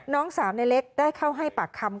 น้องสาวในเล็กได้เข้าให้ปากคำ